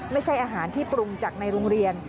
ไม่ใช่อาหารที่ปรุงจากในโรงเรียน